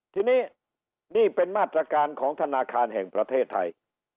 ทีนี้นี่เป็นมาตรการของธนาคารแห่งประเทศไทย